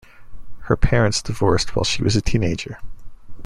Her parents divorced while she was a teenager.